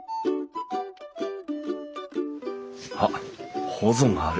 あっほぞがある。